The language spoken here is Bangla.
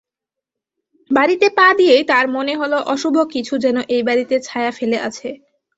বাড়িতে পা দিয়েই তাঁর মনে হল অশুভ কিছু যেন এই বাড়িতে ছায়া ফেলে আছে।